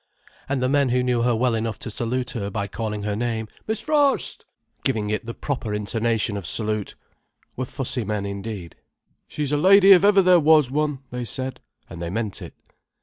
And the men who knew her well enough to salute her, by calling her name "Miss Frost!" giving it the proper intonation of salute, were fussy men indeed. "She's a lady if ever there was one," they said. And they meant it.